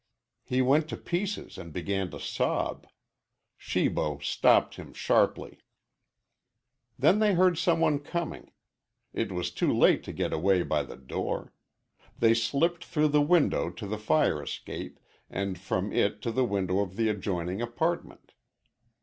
He went to pieces and began to sob. Shibo stopped him sharply. Then they heard some one coming. It was too late to get away by the door. They slipped through the window to the fire escape and from it to the window of the adjoining apartment.